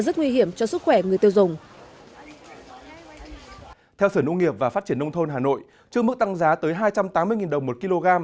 theo sở nông nghiệp và phát triển nông thôn hà nội trước mức tăng giá tới hai trăm tám mươi đồng một kg